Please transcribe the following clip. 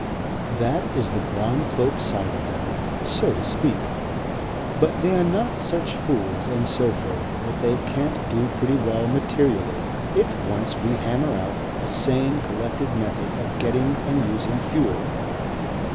That is the brown cloak side of them, so to speak. But they are not such fools and so forth that they can't do pretty well materially if once we hammer out a sane collective method of getting and using fuel.